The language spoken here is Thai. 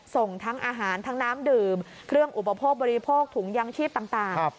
ส่งทั้งอาหารทั้งน้ำดื่มเครื่องอุปโภคบริโภคถุงยังชีพต่าง